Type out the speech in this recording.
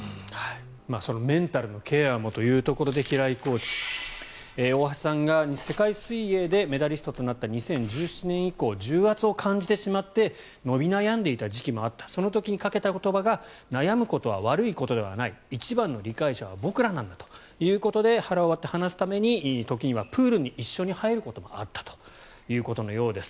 そのメンタルのケアもということで平井コーチは大橋さんが世界水泳でメダリストとなった２０１７年以降重圧を感じてしまって伸び悩んでしまった時期もあったその時にかけた言葉が悩むことは悪いことではない一番の理解者は僕らなんだということで腹を割って話すために時にはプールに一緒に入ることもあったということです。